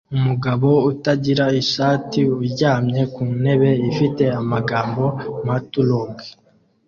Umugabo utagira ishati uryamye ku ntebe ifite amagambo Matulog